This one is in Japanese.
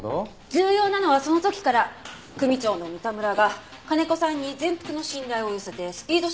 重要なのはその時から組長の三田村が金子さんに全幅の信頼を寄せてスピード出世をさせた事。